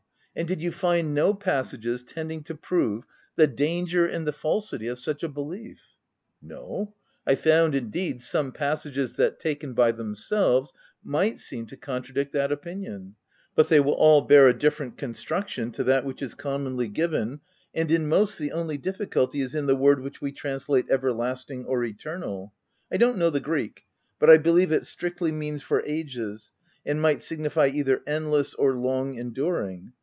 And did you find no passages tending to prove the danger and the falsity of such a belief ?"" No : I found, indeed some passages that taken by themselves, might seem to contradict that opinion ; but they will all bear a different construction to that which is commonly given, and in most the only difficulty is in the word which we translate ' everlasting' or c eternal :' I don't know the greek, but I believe it strictly means for ages, and might signify either endless or long enduring.